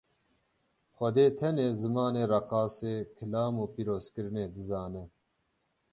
Xwedê tenê zimanê reqasê, kilam û pîrozkirinê dizane.